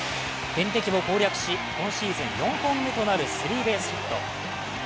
天敵を攻略し、今シーズン４本目となるスリーベースヒット。